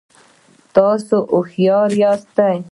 تاسو هوښیار یاست